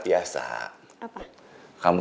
biasa apa kamu